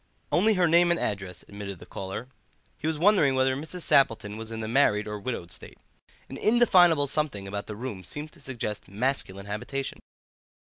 "Only her name and address," admitted the caller. He was wondering whether Mrs. Sappleton was in the married or widowed state. An undefinable something about the room seemed to suggest masculine habitation.